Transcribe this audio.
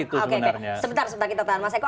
oke sebentar sebentar kita tahan mas eko